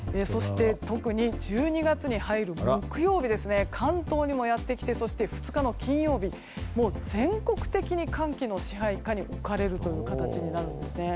特に１２月に入る木曜日関東にもやってきてそして２日の金曜日もう全国的に寒気の支配下に置かれる形になるんですね。